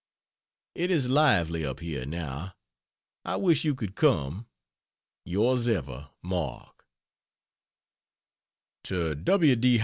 It is lively up here now. I wish you could come. Yrs ever, MARK To W. D.